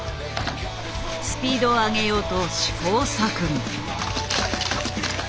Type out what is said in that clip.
スピードを上げようと試行錯誤。